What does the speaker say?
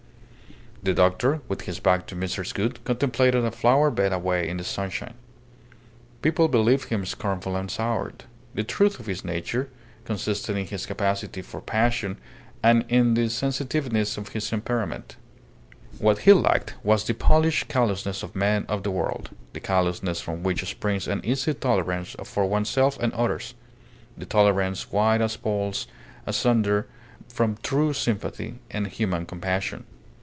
The doctor, with his back to Mrs. Gould, contemplated a flower bed away in the sunshine. People believed him scornful and soured. The truth of his nature consisted in his capacity for passion and in the sensitiveness of his temperament. What he lacked was the polished callousness of men of the world, the callousness from which springs an easy tolerance for oneself and others; the tolerance wide as poles asunder from true sympathy and human compassion.